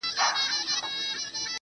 د نوم له سيـتاره دى لـوېـدلى.